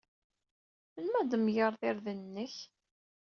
Melmi ad tmegred irden-nnek?